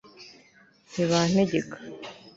ntibantegeka